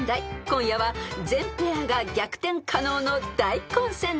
［今夜は全ペアが逆転可能の大混戦です］